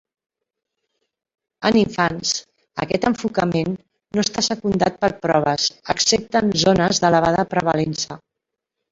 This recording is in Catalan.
En infants, aquest enfocament no està secundat per proves, excepte en zones d'elevada prevalença.